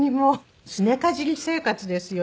すねかじり生活ですよ